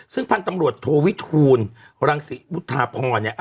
ซึ่งพันธุ์ตำรวจโทวิทูลรังศิวุฒาพรเนี่ย